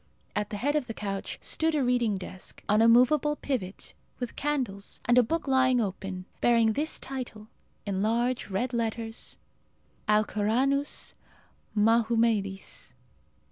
At the head of the couch stood a reading desk, on a movable pivot, with candles, and a book lying open, bearing this title, in large red letters, "Alcoranus Mahumedis."